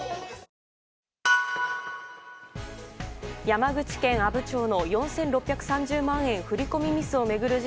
山口県阿武町の４６３０万円振り込みミスを巡る